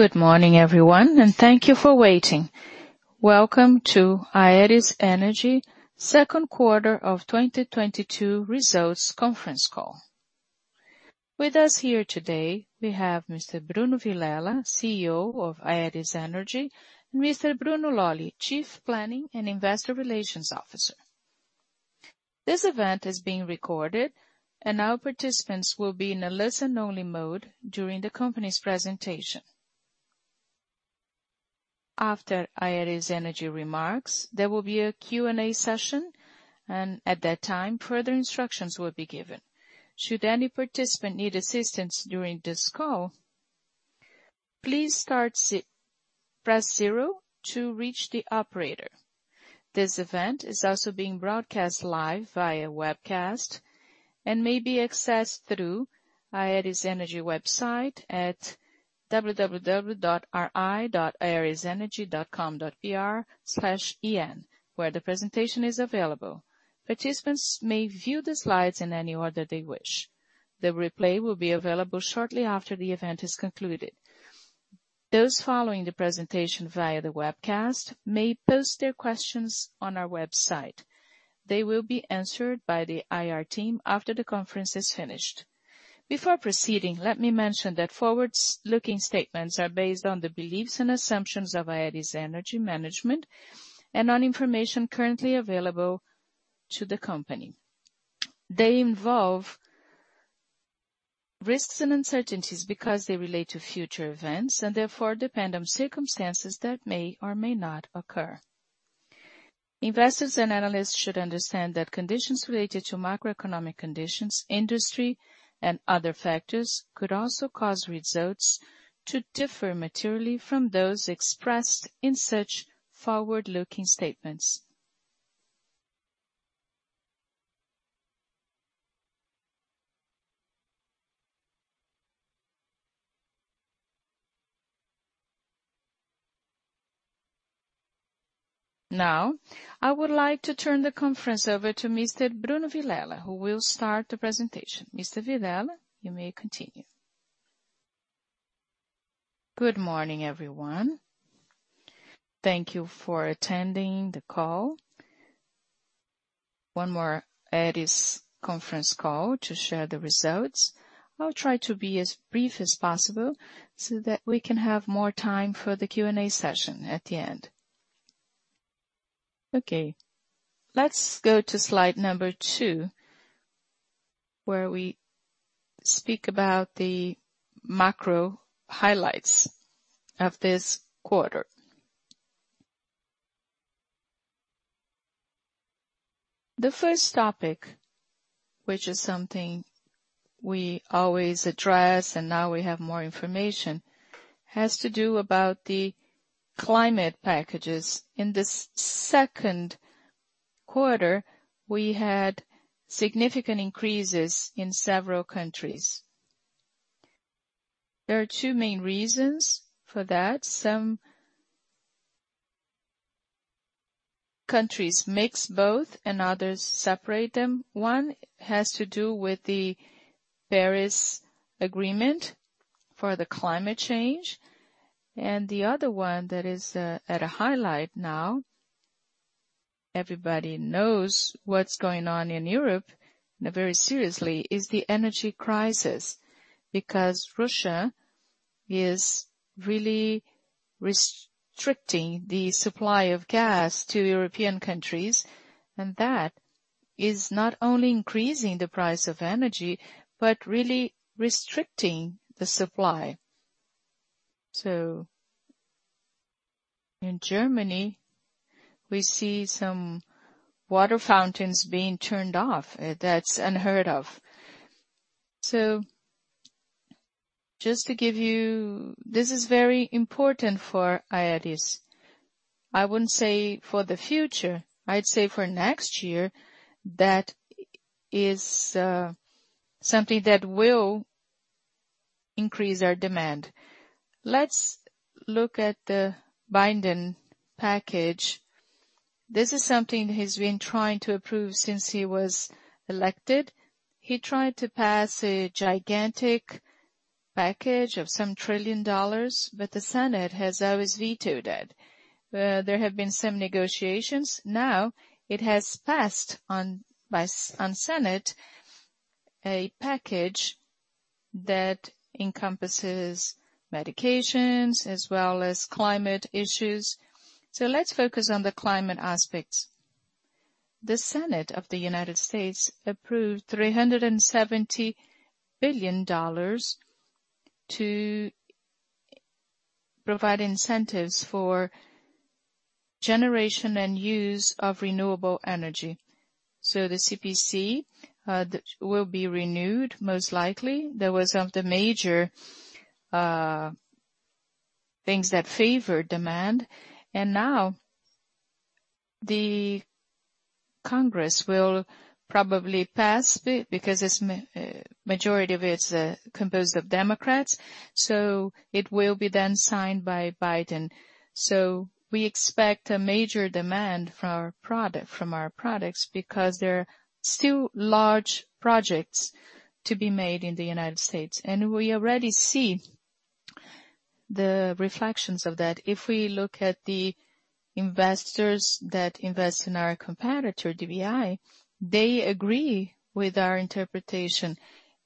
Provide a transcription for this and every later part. Good morning everyone, and thank you for waiting. Welcome to Aeris Energy second quarter of 2022 results conference call. With us here today we have Mr. Bruno Vilela, CEO of Aeris Energy, and Mr. Bruno Lolli, Chief Planning and Investor Relations Officer. This event is being recorded and all participants will be in a listen-only mode during the company's presentation. After Aeris Energy remarks, there will be a Q&A session and at that time, further instructions will be given. Should any participant need assistance during this call, please press zero to reach the operator. This event is also being broadcast live via webcast and may be accessed through Aeris Energy website at www.ri.aerisenergy.com.br/en, where the presentation is available. Participants may view the slides in any order they wish. The replay will be available shortly after the event is concluded. Those following the presentation via the webcast may post their questions on our website. They will be answered by the IR team after the conference is finished. Before proceeding, let me mention that forward-looking statements are based on the beliefs and assumptions of Aeris Energy management and on information currently available to the company. They involve risks and uncertainties because they relate to future events and therefore depend on circumstances that may or may not occur. Investors and analysts should understand that conditions related to macroeconomic conditions, industry, and other factors could also cause results to differ materially from those expressed in such forward-looking statements. Now I would like to turn the conference over to Mr. Bruno Vilela who will start the presentation. Mr. Vilela, you may continue. Good morning, everyone. Thank you for attending the call. One more Aeris conference call to share the results. I'll try to be as brief as possible so that we can have more time for the Q&A session at the end. Okay. Let's go to slide number two, where we speak about the macro highlights of this quarter. The first topic, which is something we always address and now we have more information, has to do about the climate packages. In the second quarter, we had significant increases in several countries. There are two main reasons for that. Some countries mix both and others separate them. One has to do with the Paris Agreement for the climate change. The other one that is at a highlight now, everybody knows what's going on in Europe, and very seriously, is the energy crisis because Russia is really restricting the supply of gas to European countries, and that is not only increasing the price of energy, but really restricting the supply. In Germany, we see some water fountains being turned off. That's unheard of. This is very important for Aeris. I wouldn't say for the future, I'd say for next year that is something that will increase our demand. Let's look at the Biden package. This is something he's been trying to approve since he was elected. He tried to pass a gigantic package of $1 trillion, but the Senate has always vetoed it. There have been some negotiations. It has passed by the Senate, a package that encompasses medications as well as climate issues. Let's focus on the climate aspects. The Senate of the United States approved $370 billion to provide incentives for generation and use of renewable energy. The PTC will be renewed, most likely. That was one of the major things that favor demand. Now the Congress will probably pass because it's majority of it is composed of Democrats, it will be then signed by Biden. We expect a major demand for our products because there are still large projects to be made in the United States. We already see the reflections of that. If we look at the investors that invest in our competitor, TPI, they agree with our interpretation.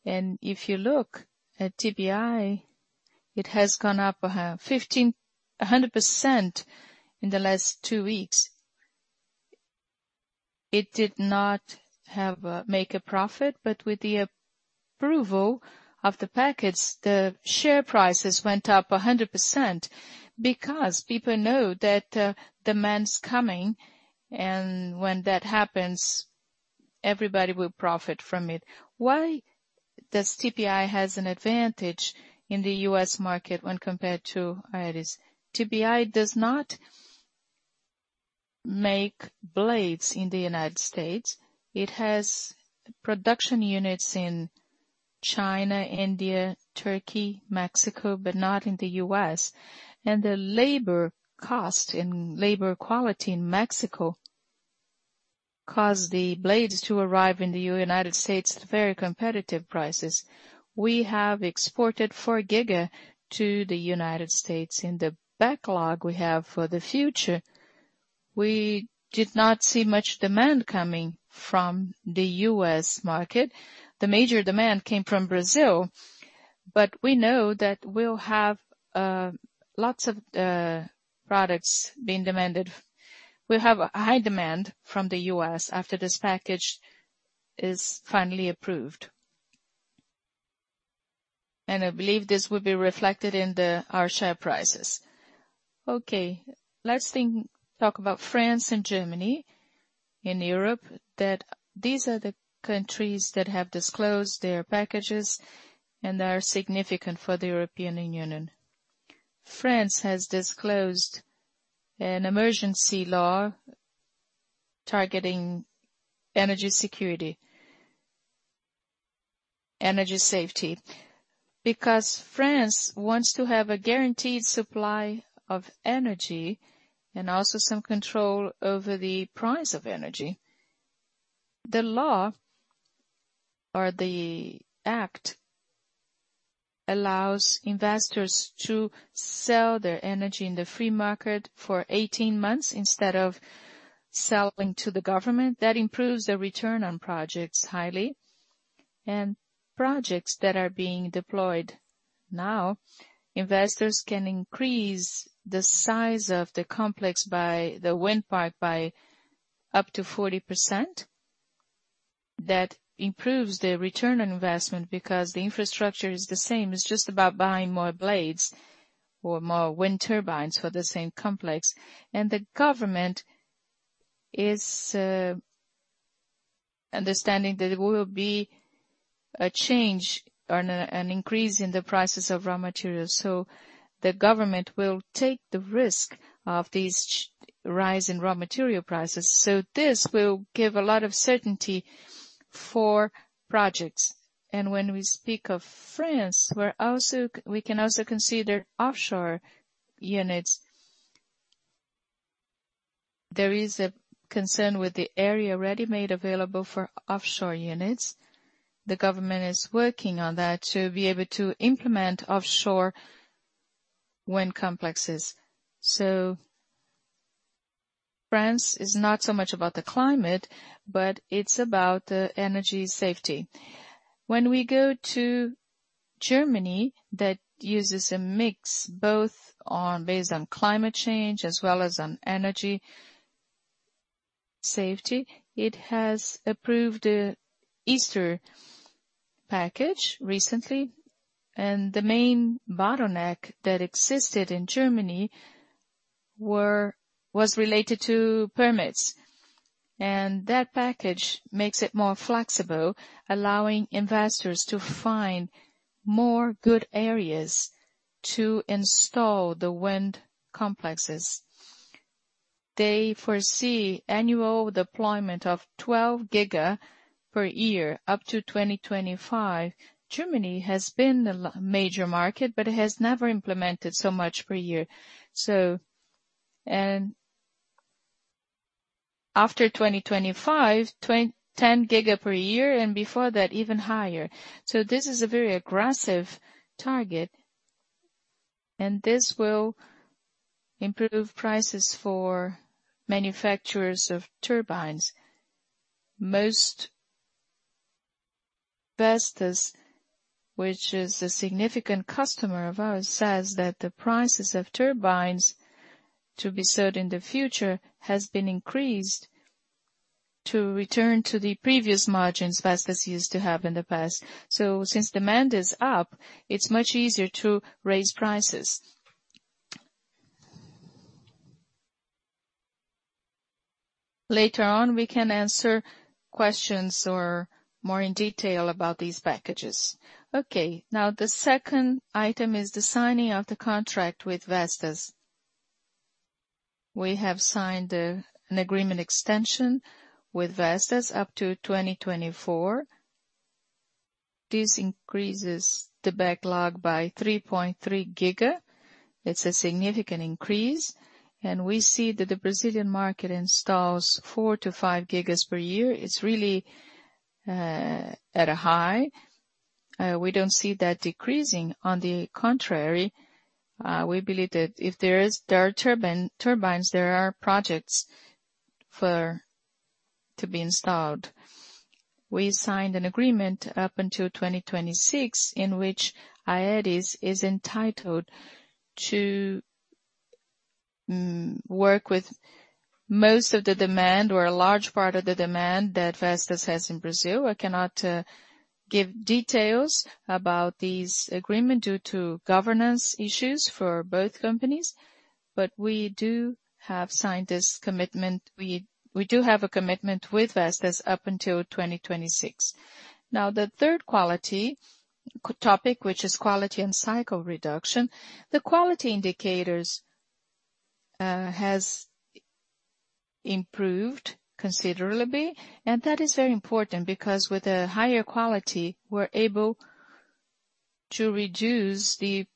If you look at TPI, it has gone up, fifteen-- a 100% in the last two weeks. It did not make a profit, but with the approval of the package, the share prices went up a hundred percent because people know that, demand's coming, and when that happens, everybody will profit from it. Why does TPI has an advantage in the U.S. market when compared to Aeris? TPI does not make blades in the United States. It has production units in China, India, Turkey, Mexico, but not in the U.S.. The labor cost and labor quality in Mexico cause the blades to arrive in the United States at very competitive prices. We have exported four GW to the United States. In the backlog we have for the future, we did not see much demand coming from the U.S. market. The major demand came from Brazil. We know that we'll have lots of products being demanded. We'll have a high demand from the U.S. after this package is finally approved. I believe this will be reflected in our share prices. Okay. Let's talk about France and Germany in Europe, that these are the countries that have disclosed their packages and are significant for the European Union. France has disclosed an emergency law targeting energy security, energy safety, because France wants to have a guaranteed supply of energy and also some control over the price of energy. The law or the act allows investors to sell their energy in the free market for 18 months instead of selling to the government. That improves the return on projects highly. Projects that are being deployed now, investors can increase the size of the complex by the wind park by up to 40%. That improves their return on investment because the infrastructure is the same. It's just about buying more blades or more wind turbines for the same complex. The government is understanding that there will be a change or an increase in the prices of raw materials. The government will take the risk of this rise in raw material prices. This will give a lot of certainty for projects. When we speak of France, we can also consider offshore units. There is a concern with the area already made available for offshore units. The government is working on that to be able to implement offshore wind complexes. France is not so much about the climate, but it's about energy safety. When we go to Germany, that uses a mix both based on climate change as well as on energy safety. It has approved the Easter package recently, and the main bottleneck that existed in Germany was related to permits. That package makes it more flexible, allowing investors to find more good areas to install the wind complexes. They foresee annual deployment of 12 GW per year up to 2025. Germany has been the major market, but it has never implemented so much per year. After 2025, 10 GW per year, and before that, even higher. This is a very aggressive target, and this will improve prices for manufacturers of turbines. Vestas, which is a significant customer of ours, says that the prices of turbines to be sold in the future has been increased to return to the previous margins Vestas used to have in the past. Since demand is up, it's much easier to raise prices. Later on, we can answer questions or more in detail about these packages. Okay. Now, the second item is the signing of the contract with Vestas. We have signed an agreement extension with Vestas up to 2024. This increases the backlog by 3.3 giga. It's a significant increase. We see that the Brazilian market installs four gigas-five gigas per year. It's really at a high. We don't see that decreasing. On the contrary, we believe that there are turbines, there are projects to be installed. We signed an agreement up until 2026, in which Aeris is entitled to work with most of the demand or a large part of the demand that Vestas has in Brazil. I cannot give details about this agreement due to governance issues for both companies. We do have signed this commitment. We do have a commitment with Vestas up until 2026. Now, the third quality topic, which is quality and cycle reduction, the quality indicators has improved considerably. That is very important because with a higher quality, we're able to reduce the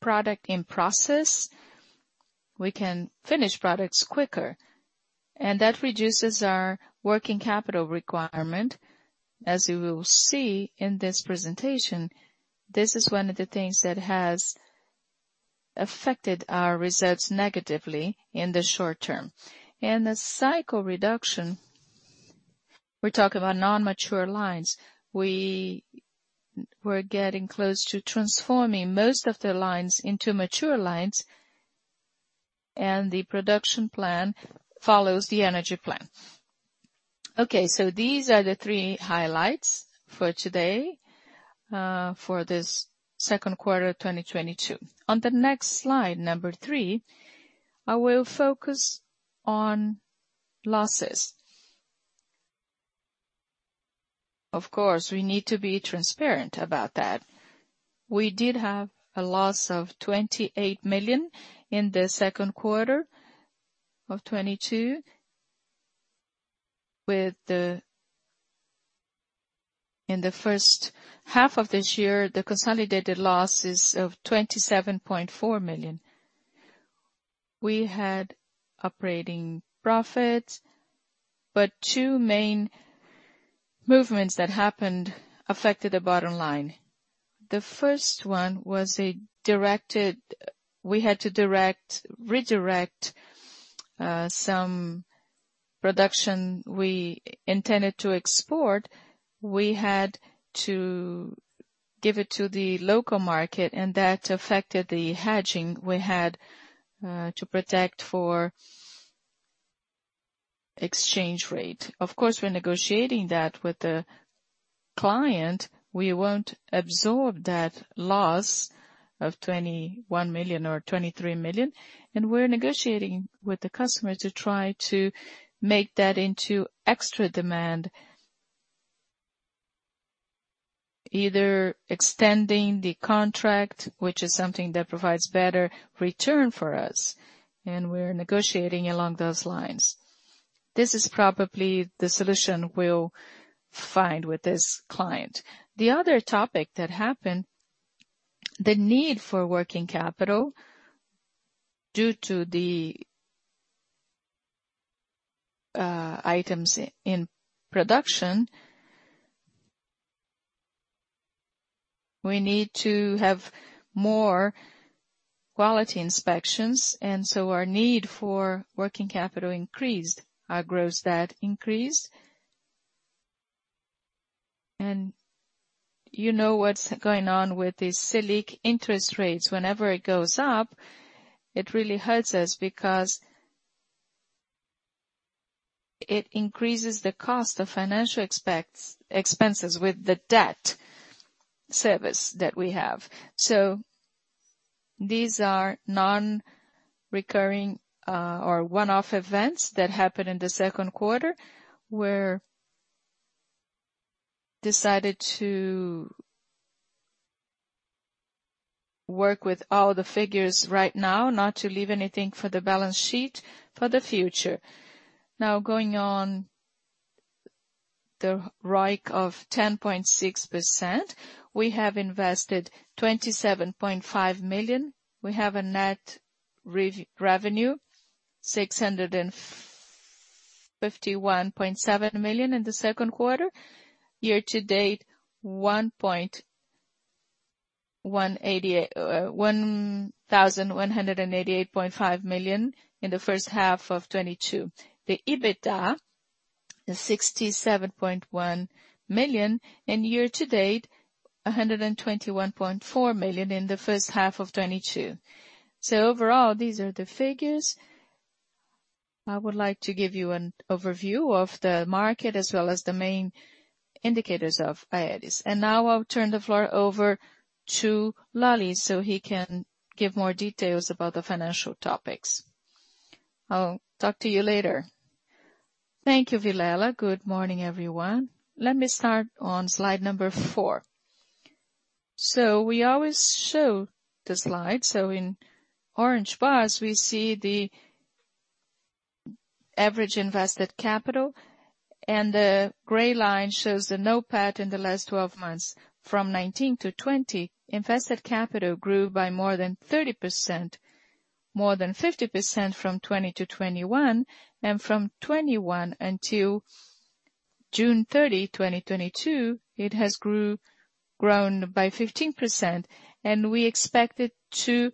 product in process. We can finish products quicker, and that reduces our working capital requirement. As you will see in this presentation, this is one of the things that has affected our results negatively in the short term. The cycle reduction, we're talking about non-mature lines. We're getting close to transforming most of the lines into mature lines, and the production plan follows the energy plan. Okay, so these are the three highlights for today, for this second quarter of 2022. On the next slide, number three, I will focus on losses. Of course, we need to be transparent about that. We did have a loss of 28 million in the second quarter of 2022. In the first half of this year, the consolidated loss is of 27.4 million. We had operating profit, but two main movements that happened affected the bottom line. The first one was we had to redirect some production we intended to export. We had to give it to the local market, and that affected the hedging we had to protect for exchange rate. Of course, we're negotiating that with the client. We won't absorb that loss of 21 million or 23 million, and we're negotiating with the customer to try to make that into extra demand. Either extending the contract, which is something that provides better return for us, and we're negotiating along those lines. This is probably the solution we'll find with this client. The other topic that happened, the need for working capital due to the items in production. We need to have more quality inspections, and so our need for working capital increased. Our gross debt increased. You know what's going on with the Selic interest rates. Whenever it goes up, it really hurts us because it increases the cost of financial expenses with the debt service that we have. These are non-recurring, or one-off events that happened in the second quarter. We've decided to work with all the figures right now, not to leave anything for the balance sheet for the future. Now, going on the ROIC of 10.6%, we have invested 27.5 million. We have a net revenue, 651.7 million in the second quarter. Year to date, 1,188.5 million in the first half of 2022. The EBITDA is 67.1 million, and year to date, 121.4 million in the first half of 2022. Overall, these are the figures. I would like to give you an overview of the market as well as the main indicators of Aeris. Now I'll turn the floor over to Bruno Lolli, so he can give more details about the financial topics. I'll talk to you later. Thank you, Vilela. Good morning, everyone. Let me start on slide number four. We always show the slide. In orange bars, we see the average invested capital, and the gray line shows the NOPAT in the last 12 months. From 2019 - 2020, invested capital grew by more than 30%. More than 50% from 2020 - 2021, and from 2021 until June 30, 2022, it has grown by 15%. We expect it to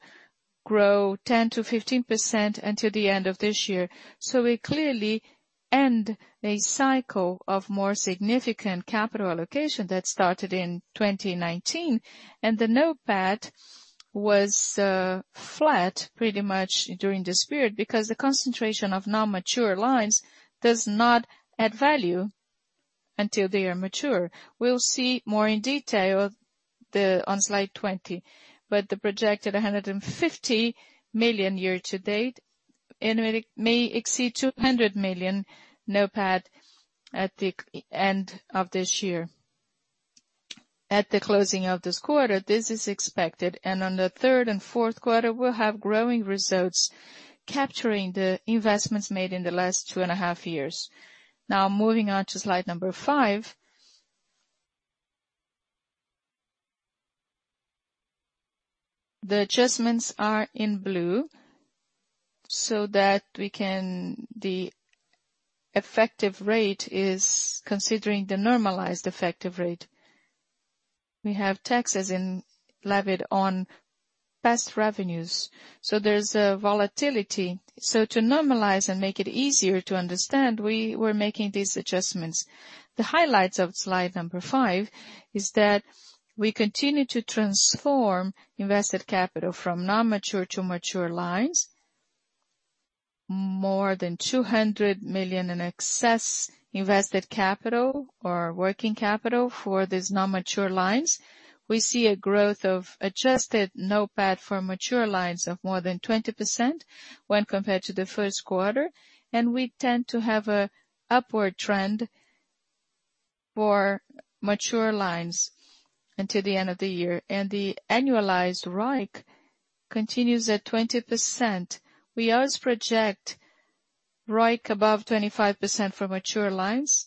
grow 10%-15% until the end of this year. We clearly end a cycle of more significant capital allocation that started in 2019. The NOPAT was flat pretty much during this period because the concentration of non-mature lines does not add value until they are mature. We'll see more in detail on slide 20. The projected 150 million year to date and it may exceed 200 million NOPAT at the end of this year. At the closing of this quarter, this is expected. On the third and fourth quarter, we'll have growing results capturing the investments made in the last 2.5 years. Now, moving on to slide number five. The adjustments are in blue so that the effective rate is considering the normalized effective rate. We have taxes levied on past revenues. There's a volatility. To normalize and make it easier to understand, we're making these adjustments. The highlights of slide number five is that we continue to transform invested capital from non-mature to mature lines. More than 200 million in excess invested capital or working capital for these non-mature lines. We see a growth of adjusted NOPAT for mature lines of more than 20% when compared to the first quarter, and we tend to have an upward trend for mature lines until the end of the year. The annualized ROIC continues at 20%. We always project ROIC above 25% for mature lines.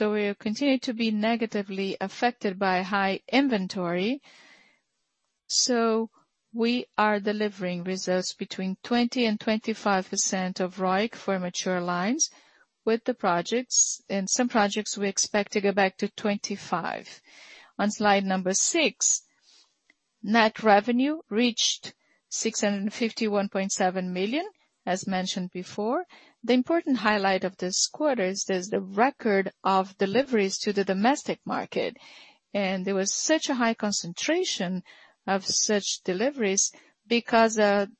We continue to be negatively affected by high inventory, so we are delivering results between 20% and 25% of ROIC for mature lines with the projects. In some projects, we expect to go back to 25%. On slide number six, net revenue reached 651.7 million, as mentioned before. The important highlight of this quarter is there's the record of deliveries to the domestic market. There was such a high concentration of such deliveries because the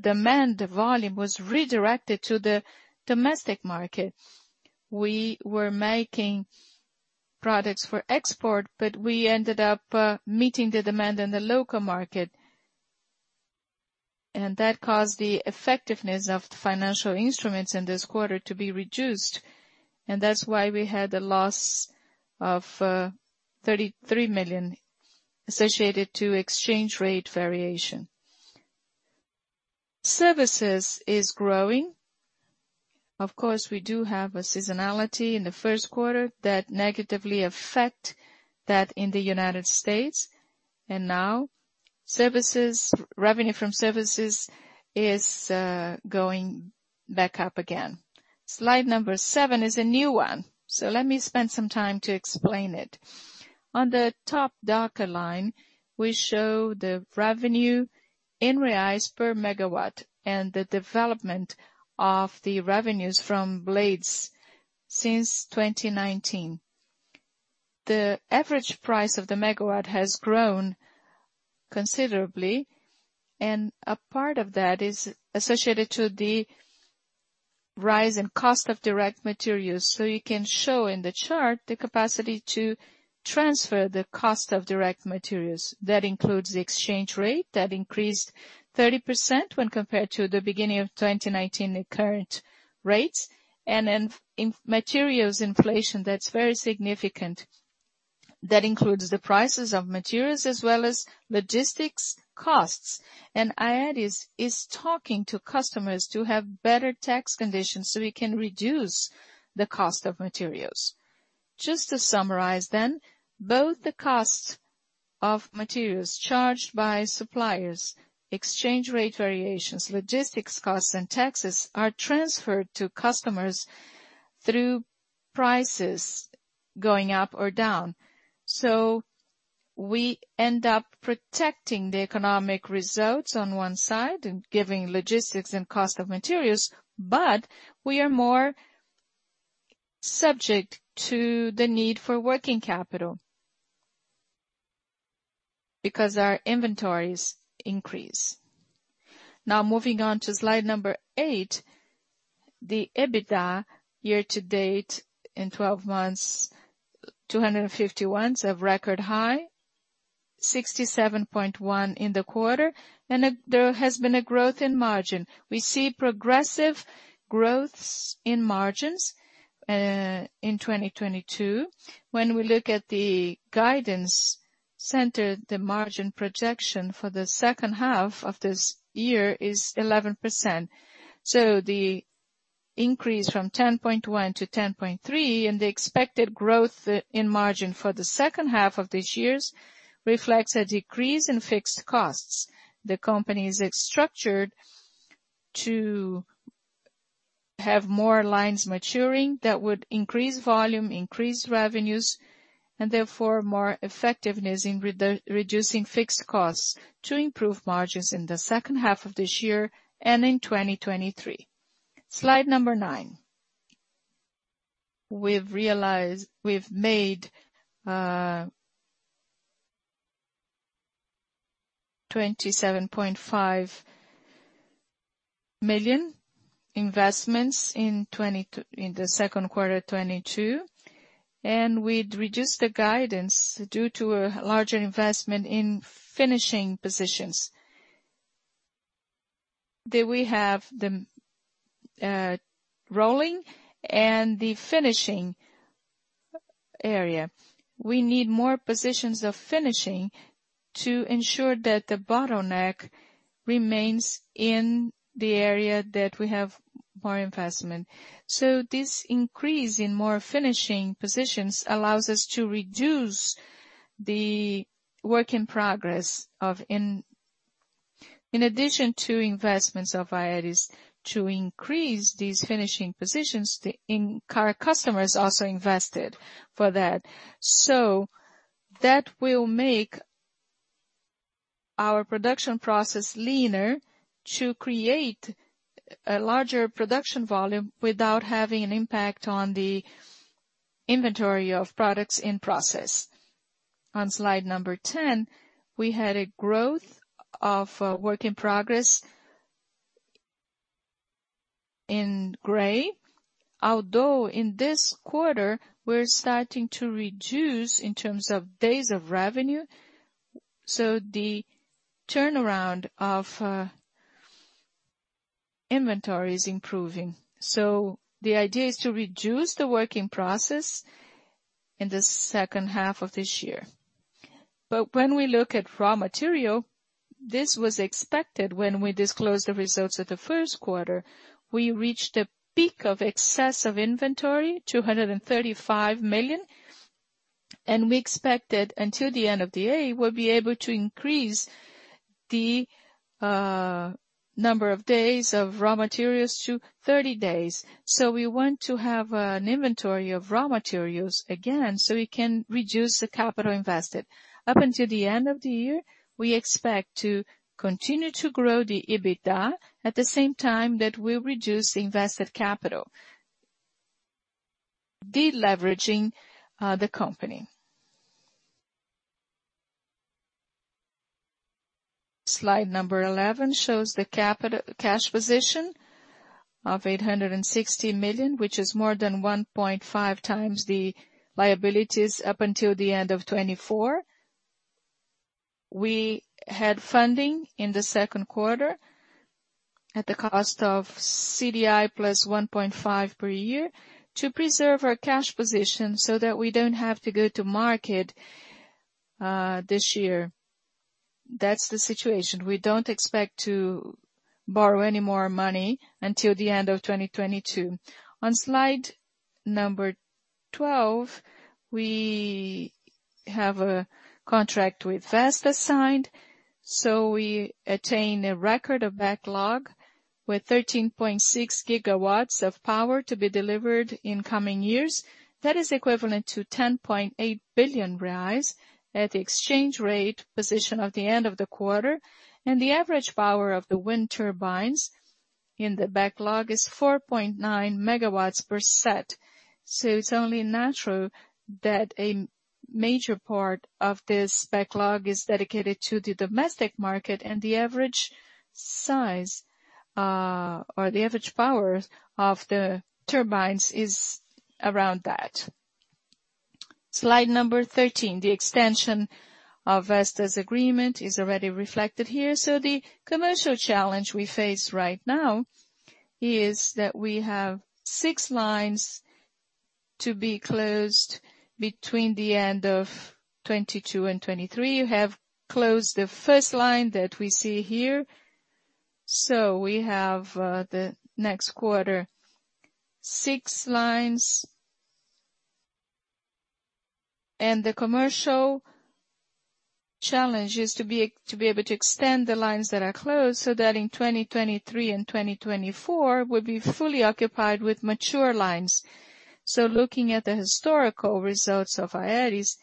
demand volume was redirected to the domestic market. We were making products for export, but we ended up meeting the demand in the local market. That caused the effectiveness of the financial instruments in this quarter to be reduced. That's why we had a loss of 33 million associated to exchange rate variation. Services is growing. Of course, we do have a seasonality in the first quarter that negatively affect that in the United States. Now services revenue from services is going back up again. Slide number seven is a new one, so let me spend some time to explain it. On the top darker line, we show the revenue in BRL per megawatt and the development of the revenues from blades since 2019. The average price of the megawatt has grown considerably, and a part of that is associated to the rise in cost of direct materials. You can show in the chart the capacity to transfer the cost of direct materials. That includes the exchange rate that increased 30% when compared to the beginning of 2019 current rates. In materials inflation, that's very significant. That includes the prices of materials as well as logistics costs. Aeris is talking to customers to have better tax conditions so we can reduce the cost of materials. Just to summarize then, both the costs of materials charged by suppliers, exchange rate variations, logistics costs and taxes are transferred to customers through prices going up or down. We end up protecting the economic results on one side and giving logistics and cost of materials, but we are more subject to the need for working capital because our inventories increase. Now, moving on to slide number eight, the EBITDA year to date in 12 months, 251, so a record high. 67.1 in the quarter. There has been a growth in margin. We see progressive growths in margins in 2022. When we look at the guidance center, the margin projection for the second half of this year is 11%. The increase from 10.1% - 10.3%, and the expected growth in margin for the second half of this year reflects a decrease in fixed costs. The company is structured to have more lines maturing that would increase volume, increase revenues, and therefore, more effectiveness in reducing fixed costs to improve margins in the second half of this year and in 2023. Slide number nine. We've made 27.5 million investments in the second quarter of 2022, and we'd reduced the guidance due to a larger investment in finishing positions. That we have the rolling and the finishing area. We need more positions of finishing to ensure that the bottleneck remains in the area that we have more investment. This increase in more finishing positions allows us to reduce the work in progress. In addition to investments of Aeris to increase these finishing positions, the current customers also invested for that. That will make our production process leaner to create a larger production volume without having an impact on the inventory of products in process. On slide number 10, we had a growth of work in progress in gray. Although, in this quarter, we're starting to reduce in terms of days of revenue, so the turnaround of inventory is improving. The idea is to reduce the work in process in the second half of this year. When we look at raw material, this was expected when we disclosed the results of the first quarter. We reached a peak of excess of inventory, 235 million, and we expected, until the end of the year, we'll be able to increase the number of days of raw materials to 30 days. We want to have an inventory of raw materials again, so we can reduce the capital invested. Up until the end of the year, we expect to continue to grow the EBITDA at the same time that we reduce invested capital, de-leveraging the company. Slide 11 shows the cash position of 860 million, which is more than 1.5x the liabilities up until the end of 2024. We had funding in the second quarter at the cost of CDI + 1.5 per year to preserve our cash position so that we don't have to go to market this year. That's the situation. We don't expect to borrow any more money until the end of 2022. On Slide 12, we have a contract with Vestas signed, so we attain a record of backlog with 13.6 gigawatts of power to be delivered in coming years. That is equivalent to 10.8 billion reais at the exchange rate as of the end of the quarter. The average power of the wind turbines in the backlog is 4.9 megawatts per set. It's only natural that a major part of this backlog is dedicated to the domestic market, and the average size, or the average power of the turbines is around that. Slide 13, the extension of Vestas' agreement is already reflected here. The commercial challenge we face right now is that we have six lines to be closed between the end of 2022 and 2023. We have closed the first line that we see here. We have the next quarter six lines. The commercial challenge is to be able to extend the lines that are closed so that in 2023 and 2024, we'll be fully occupied with mature lines. Looking at the historical results of Aeris,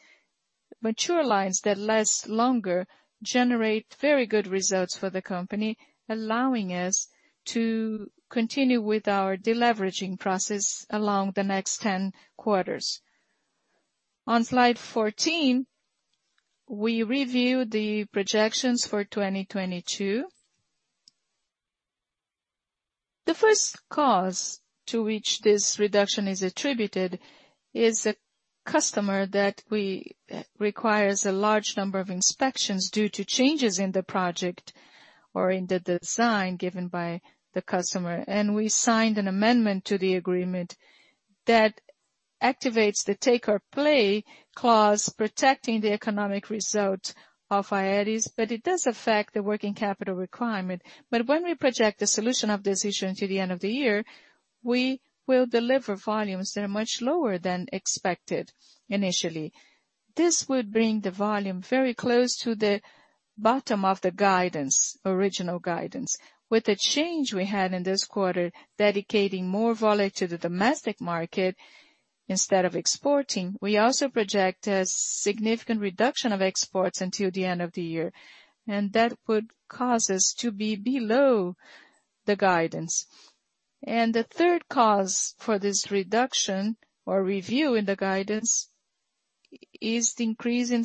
mature lines that last longer generate very good results for the company, allowing us to continue with our deleveraging process along the next 10 quarters. On slide 14, we review the projections for 2022. The first cause to which this reduction is attributed is a customer that we requires a large number of inspections due to changes in the project or in the design given by the customer. We signed an amendment to the agreement that activates the take-or-pay clause, protecting the economic result of Aeris, but it does affect the working capital requirement. When we project the solution of this issue until the end of the year, we will deliver volumes that are much lower than expected initially. This would bring the volume very close to the bottom of the guidance, original guidance. With the change we had in this quarter, dedicating more volume to the domestic market instead of exporting, we also project a significant reduction of exports until the end of the year, and that would cause us to be below the guidance. The third cause for this reduction or review in the guidance is the increase in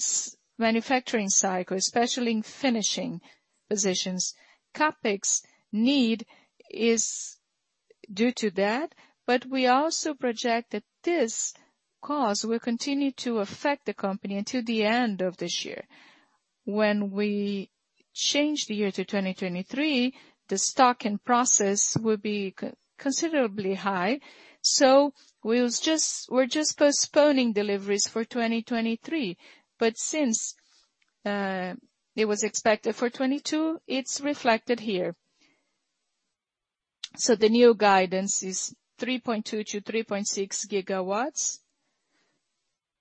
manufacturing cycle, especially in finishing positions. CapEx need is due to that, but we also project that this cause will continue to affect the company until the end of this year. When we change the year to 2023, the stock in process will be considerably high. We're just postponing deliveries for 2023. Since it was expected for 2022, it's reflected here. The new guidance is 3.2-3.6 gigawatts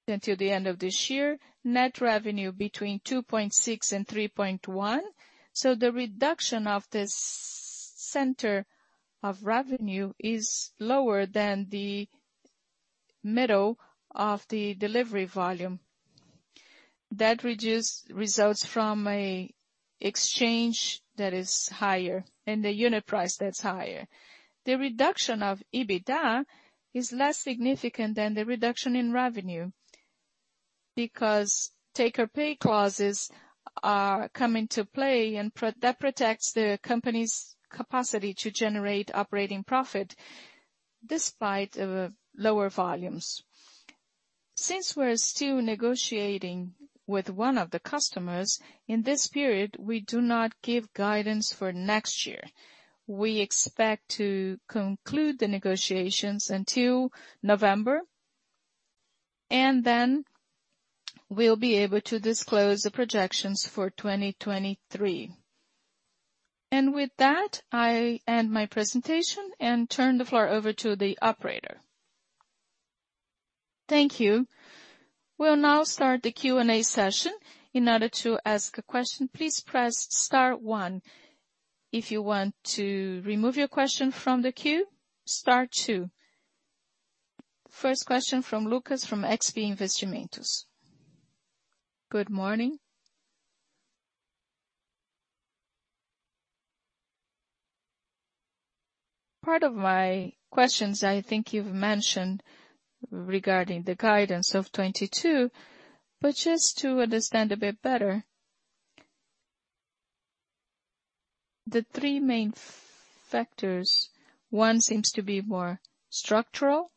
until the end of this year. Net revenue between 2.6 and 3.1. The reduction in this quarter's revenue is lower than the decline in the delivery volume. That results from an exchange rate that is higher and the unit price that's higher. The reduction of EBITDA is less significant than the reduction in revenue because take-or-pay clauses come into play that protects the company's capacity to generate operating profit despite the lower volumes. Since we're still negotiating with one of the customers, in this period, we do not give guidance for next year. We expect to conclude the negotiations until November, and then we'll be able to disclose the projections for 2023. With that, I end my presentation and turn the floor over to the operator. Thank you. We'll now start the Q&A session. In order to ask a question, please press star one. If you want to remove your question from the queue, star two. First question from Lucas from XP Investimentos. Good morning. Part of my questions I think you've mentioned regarding the guidance of 2022, but just to understand a bit better. The three main factors, one seems to be more structural.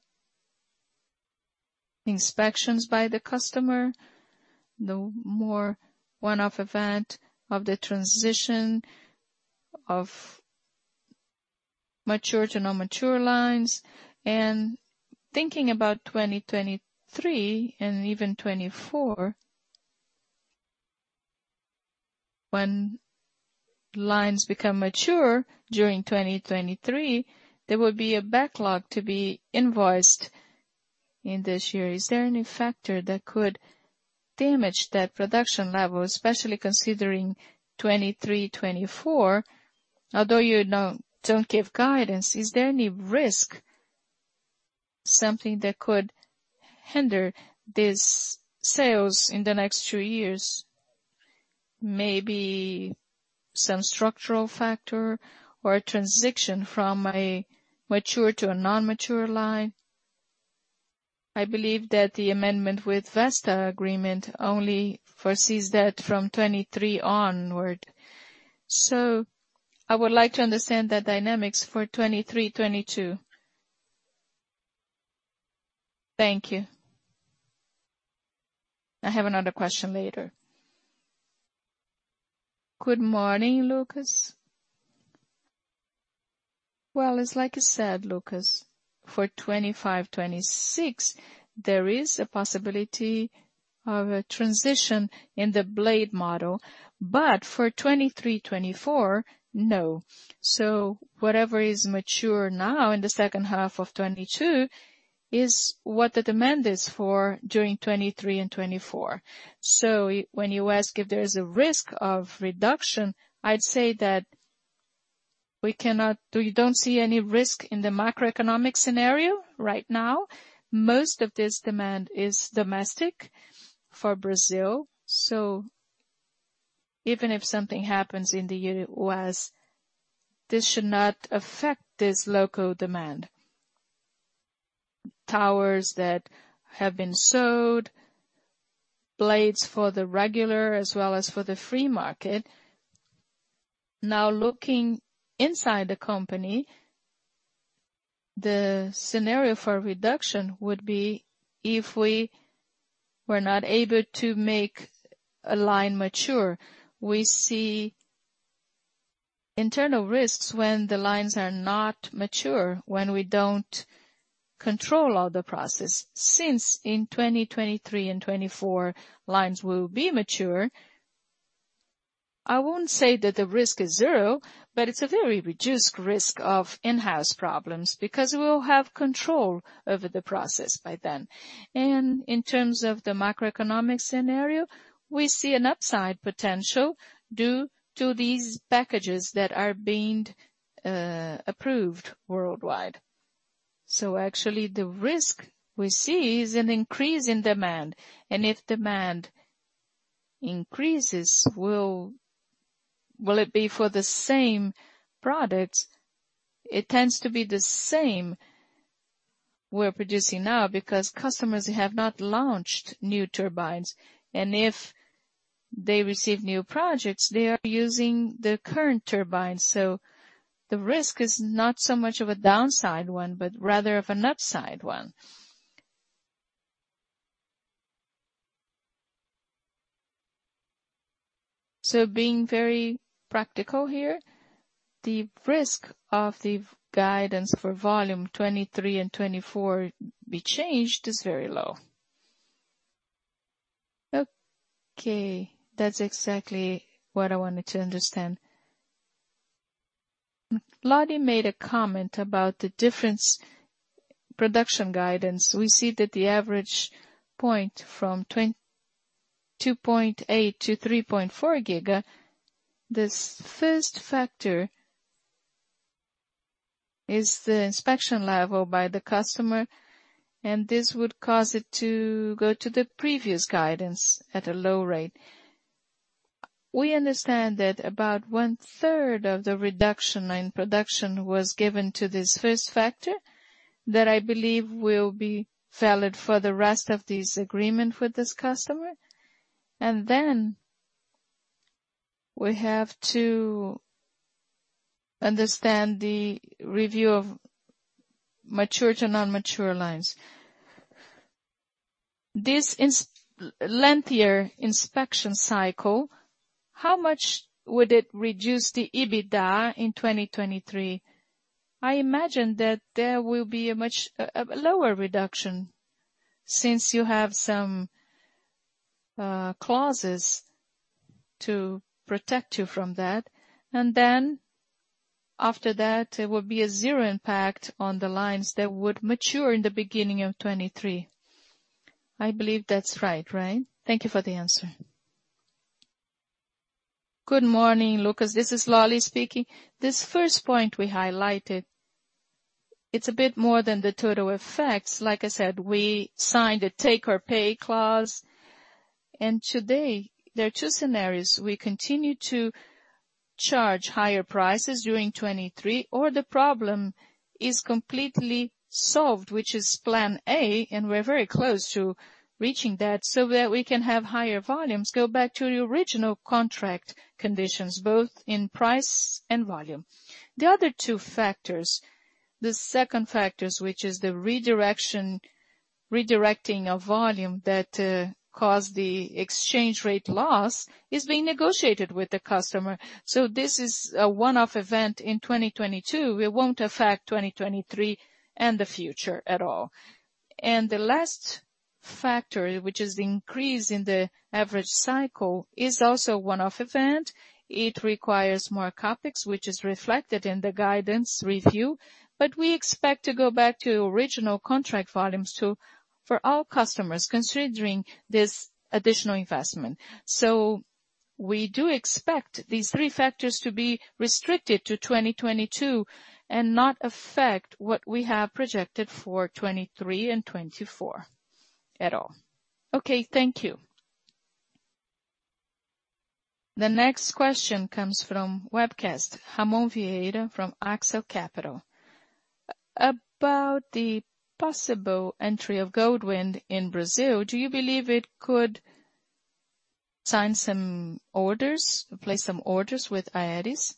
Inspections by the customer, the more one-off event of the transition of mature to non-mature lines. Thinking about 2023 and even 2024, when lines become mature during 2023, there will be a backlog to be invoiced in this year. Is there any factor that could damage that production level, especially considering 2023, 2024? Although you know don't give guidance, is there any risk, something that could hinder these sales in the next two years, maybe some structural factor or a transition from a mature to a non-mature line? I believe that the amendment with Vestas Agreement only foresees that from 2023 onward. I would like to understand the dynamics for 2023, 2022. Thank you. I have another question later. Good morning, Lucas. Well, it's like you said, Lucas, for 2025, 2026, there is a possibility of a transition in the blade model. But for 2023, 2024, no. Whatever is mature now in the second half of 2022 is what the demand is for during 2023 and 2024. When you ask if there is a risk of reduction, I'd say that we don't see any risk in the macroeconomic scenario right now. Most of this demand is domestic for Brazil. Even if something happens in the U.S., this should not affect this local demand. Towers that have been sold, blades for the regular as well as for the free market. Now, looking inside the company, the scenario for reduction would be if we were not able to make a line mature. We see internal risks when the lines are not mature, when we don't control all the process. Since in 2023 and 2024 lines will be mature, I won't say that the risk is zero, but it's a very reduced risk of in-house problems because we'll have control over the process by then. In terms of the macroeconomic scenario, we see an upside potential due to these packages that are being approved worldwide. Actually, the risk we see is an increase in demand. If demand increases, will it be for the same products? It tends to be the same we're producing now because customers have not launched new turbines. If they receive new projects, they are using the current turbines. The risk is not so much of a downside one, but rather of an upside one. Being very practical here, the risk of the guidance for volume 2023 and 2024 be changed is very low. Okay, that's exactly what I wanted to understand. Bruno Lolli made a comment about the different production guidance. We see that the average point from 2.8 - 3.4 giga. This first factor is the inspection level by the customer, and this would cause it to go to the previous guidance at a low rate. We understand that about one-third of the reduction in production was given to this first factor that I believe will be valid for the rest of this agreement with this customer. Then we have to understand the review of mature to non-mature lines. Lengthier inspection cycle, how much would it reduce the EBITDA in 2023? I imagine that there will be a much lower reduction since you have some clauses to protect you from that. After that, there will be a zero impact on the lines that would mature in the beginning of 2023. I believe that's right? Thank you for the answer. Good morning, Lucas. This is Bruno Lolli speaking. This first point we highlighted, it's a bit more than the total effects. Like I said, we signed a take-or-pay clause. Today there are two scenarios. We continue to charge higher prices during 2023, or the problem is completely solved, which is plan A, and we're very close to reaching that so that we can have higher volumes go back to the original contract conditions, both in price and volume. The other two factors, which is the redirection of volume that caused the exchange rate loss, is being negotiated with the customer. This is a one-off event in 2022. It won't affect 2023 and the future at all. The last factor, which is the increase in the average cycle, is also a one-off event. It requires more CapEx, which is reflected in the guidance review. We expect to go back to original contract volumes too for all customers considering this additional investment. We do expect these three factors to be restricted to 2022 and not affect what we have projected for 2023 and 2024 at all. Okay, thank you. The next question comes from webcast, Ramon Vieira from Acelo Capital. About the possible entry of Goldwind in Brazil, do you believe it could sign some orders, place some orders with Aeris?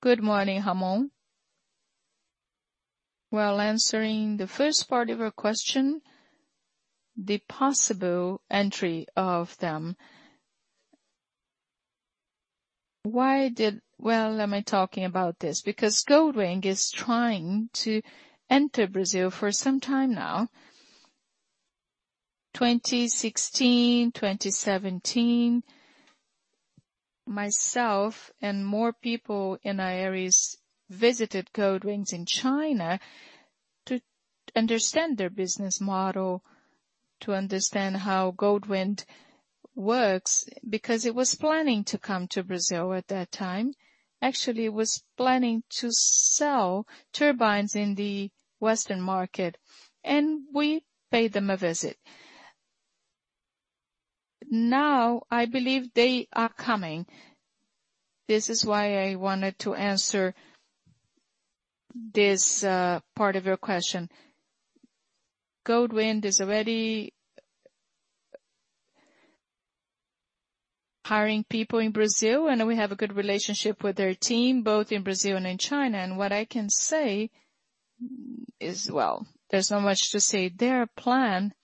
Good morning, Ramon. While answering the first part of your question, the possible entry of them. Well, am I talking about this? Because Goldwind is trying to enter Brazil for some time now. 2016, 2017, myself and more people in Aeris visited Goldwind's in China to understand their business model, to understand how Goldwind works, because it was planning to come to Brazil at that time. Actually, it was planning to sell turbines in the Western market, and we paid them a visit. Now, I believe they are coming. This is why I wanted to answer this part of your question. Goldwind is already hiring people in Brazil, and we have a good relationship with their team, both in Brazil and in China. What I can say is, well, there's not much to say. Their plan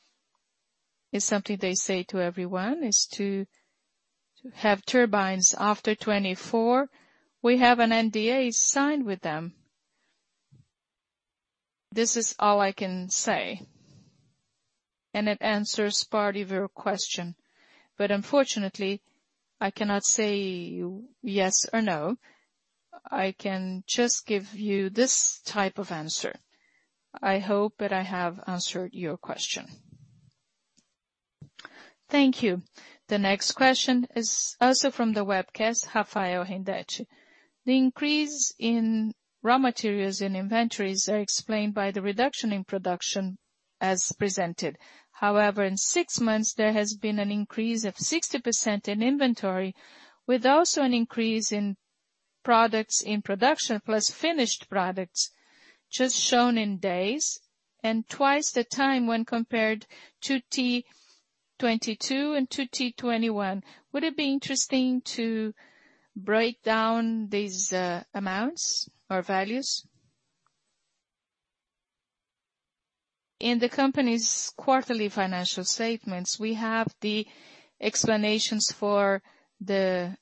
is something they say to everyone is to have turbines after 2024. We have an NDA signed with them. This is all I can say, and it answers part of your question, but unfortunately, I cannot say yes or no. I can just give you this type of answer. I hope that I have answered your question. Thank you. The next question is also from the webcast, Rafael Indetti. The increase in raw materials and inventories are explained by the reduction in production as presented. However, in six months there has been an increase of 60% in inventory, with also an increase in products in production, plus finished products just shown in days and twice the time when compared to 2Q22 and to 2Q21. Would it be interesting to break down these amounts or values? In the company's quarterly financial statements, we have the explanations for the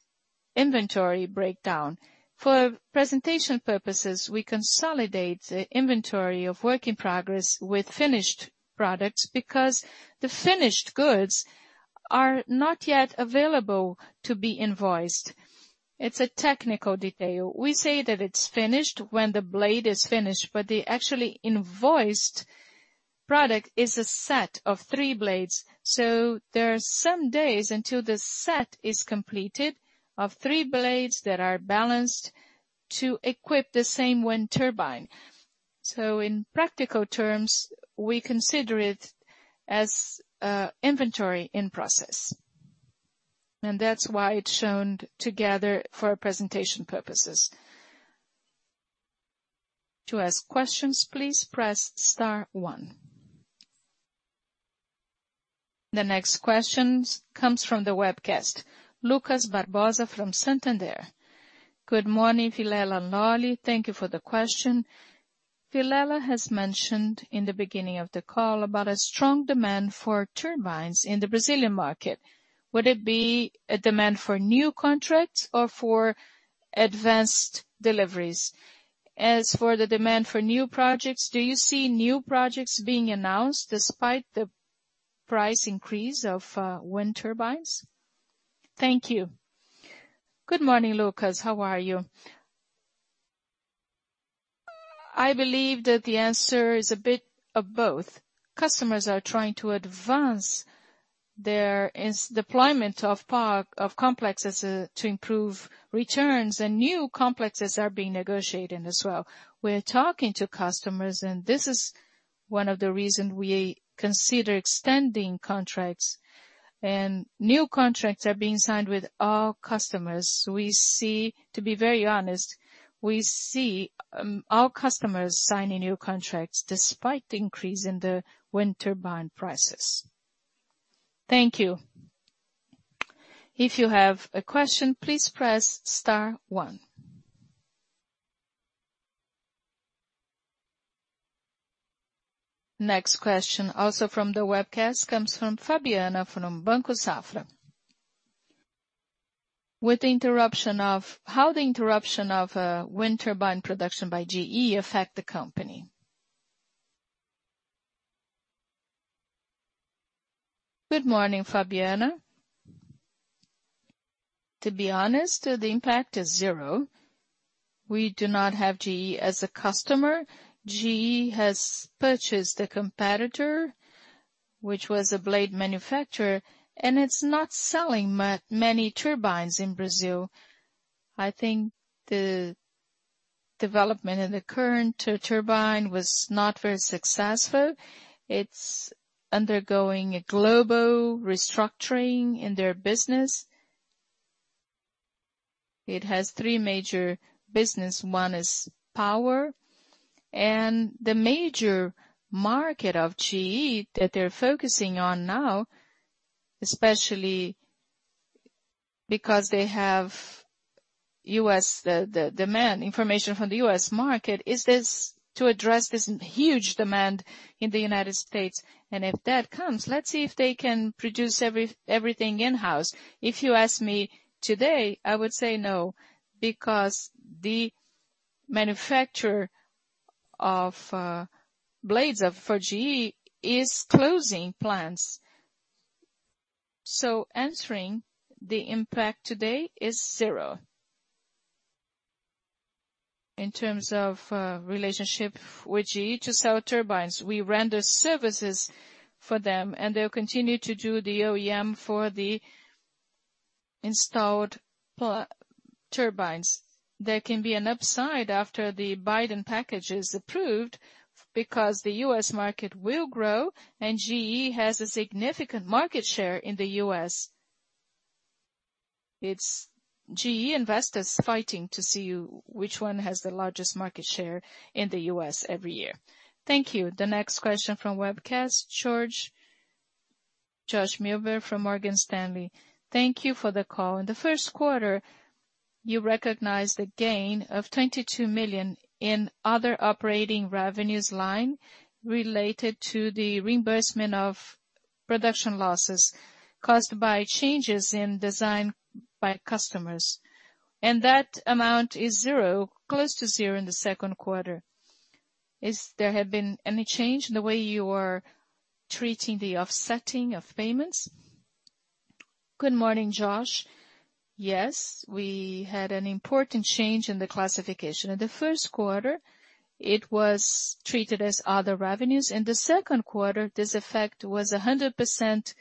inventory breakdown. For presentation purposes, we consolidate the inventory of work in progress with finished products because the finished goods are not yet available to be invoiced. It's a technical detail. We say that it's finished when the blade is finished, but the actually invoiced product is a set of three blades. There are some days until the set is completed of three blades that are balanced to equip the same wind turbine. In practical terms, we consider it as inventory in process, and that's why it's shown together for presentation purposes. To ask questions, please press star one. The next question comes from the webcast, Lucas Barbosa from Santander. Good morning, Vilela and Lolli. Thank you for the question. Vilela has mentioned in the beginning of the call about a strong demand for turbines in the Brazilian market. Would it be a demand for new contracts or for advanced deliveries? As for the demand for new projects, do you see new projects being announced despite the price increase of wind turbines? Thank you. Good morning, Lucas. How are you? I believe that the answer is a bit of both. Customers are trying to advance their deployment of complexes to improve returns, and new complexes are being negotiated as well. We're talking to customers, and this is one of the reason we consider extending contracts. New contracts are being signed with all customers. To be very honest, we see our customers signing new contracts despite the increase in the wind turbine prices. Thank you. If you have a question, please press star one. Next question, also from the webcast, comes from Fabiana from Banco Safra. How the interruption of wind turbine production by GE affect the company. Good morning, Fabiana. To be honest, the impact is zero. We do not have GE as a customer. GE has purchased a competitor, which was a blade manufacturer, and it's not selling many turbines in Brazil. I think the development of the current turbine was not very successful. It's undergoing a global restructuring in their business. It has three major business. One is power. The major market of GE that they're focusing on now, especially because they have U.S., the demand information from the U.S. market, is this, to address this huge demand in the United States. If that comes, let's see if they can produce everything in-house. If you ask me today, I would say no, because the manufacturer of blades for GE is closing plants. Answering the impact today is zero. In terms of relationship with GE to sell turbines, we render services for them, and they'll continue to do the OEM for the installed turbines. There can be an upside after the Biden package is approved because the U.S. market will grow and GE has a significant market share in the U.S. It's GE investors fighting to see which one has the largest market share in the U.S. every year. Thank you. The next question from webcast, Jorge Milberg from Morgan Stanley. Thank you for the call. In the first quarter, you recognize the gain of 22 million in other operating revenues line related to the reimbursement of production losses caused by changes in design by customers. That amount is zero, close to zero in the second quarter. Has there been any change in the way you are treating the offsetting of payments? Good morning, George. Yes, we had an important change in the classification. In the first quarter, it was treated as other revenues. In the second quarter, this effect was 100%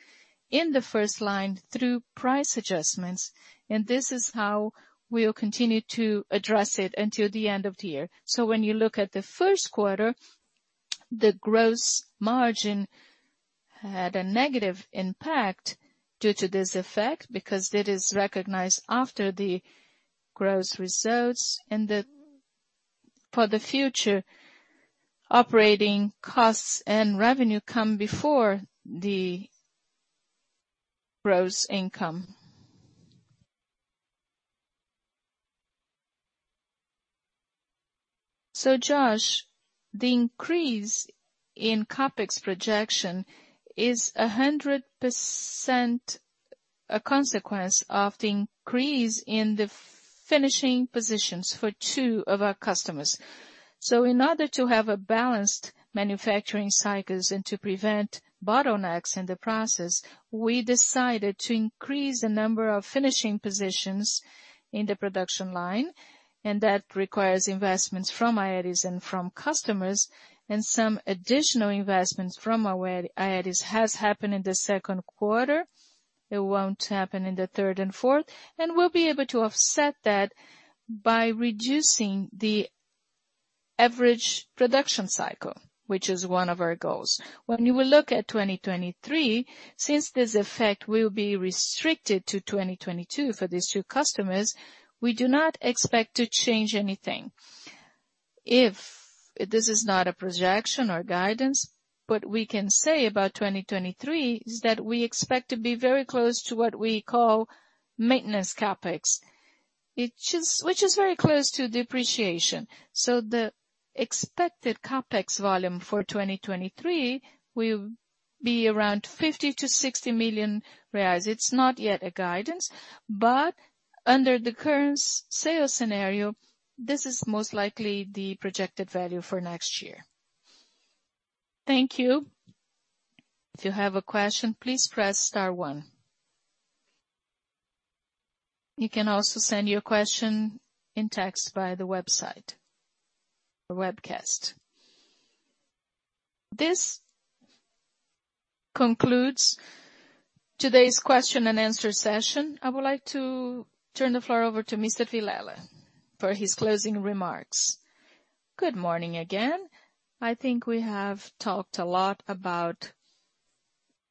in the first line through price adjustments, and this is how we'll continue to address it until the end of the year. When you look at the first quarter, the gross margin had a negative impact due to this effect because it is recognized after the gross results. For the future, operating costs and revenue come before the gross income. George, the increase in CapEx projection is 100% a consequence of the increase in the finishing positions for two of our customers. In order to have a balanced manufacturing cycles and to prevent bottlenecks in the process, we decided to increase the number of finishing positions in the production line, and that requires investments from Aeris and from customers. Some additional investments from Aeris has happened in the second quarter. It won't happen in the third and fourth. We'll be able to offset that by reducing the average production cycle, which is one of our goals. When you will look at 2023, since this effect will be restricted to 2022 for these two customers, we do not expect to change anything. If this is not a projection or guidance, what we can say about 2023 is that we expect to be very close to what we call maintenance CapEx. Which is very close to depreciation. The expected CapEx volume for 2023 will be around 50 million-60 million reais. It's not yet a guidance, but under the current sales scenario, this is most likely the projected value for next year. Thank you. If you have a question, please press star one. You can also send your question in text via the website, the webcast. This concludes today's question and answer session. I would like to turn the floor over to Mr. Vilela for his closing remarks. Good morning again. I think we have talked a lot about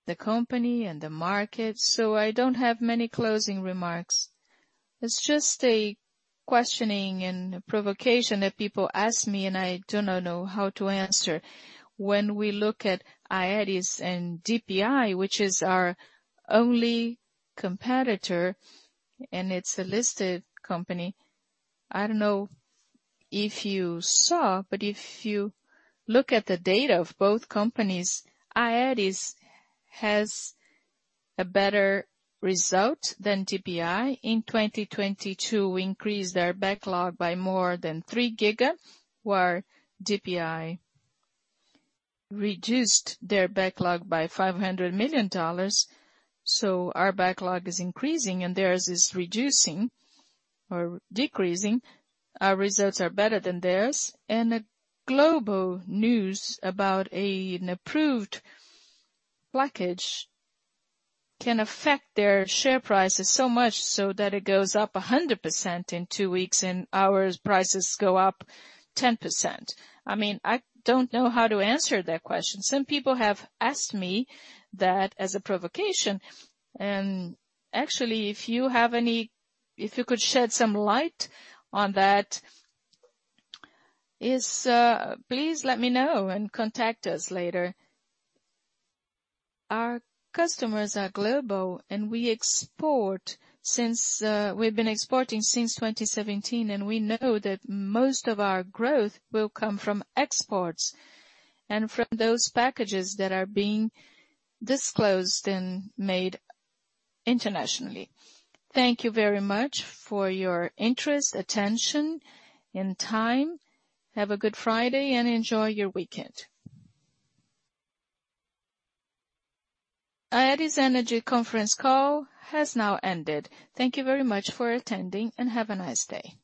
the company and the market, so I don't have many closing remarks. It's just a questioning and provocation that people ask me, and I do not know how to answer. When we look at Aeris and TPI, which is our only competitor, and it's a listed company. I don't know if you saw, but if you look at the data of both companies, Aeris has a better result than TPI. In 2022, we increased our backlog by more than 3 GW, where TPI reduced their backlog by $500 million. Our backlog is increasing and theirs is reducing or decreasing. Our results are better than theirs. The global news about an approved package can affect their share prices so much so that it goes up 100% in two weeks and our prices go up 10%. I mean, I don't know how to answer that question. Some people have asked me that as a provocation. Actually, if you could shed some light on that, please let me know and contact us later. Our customers are global, and we export since we've been exporting since 2017, and we know that most of our growth will come from exports and from those packages that are being disclosed and made internationally. Thank you very much for your interest, attention, and time. Have a good Friday, and enjoy your weekend. Aeris Energy conference call has now ended. Thank you very much for attending, and have a nice day.